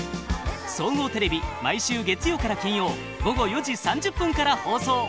総合テレビ毎週月曜から金曜午後４時３０分から放送。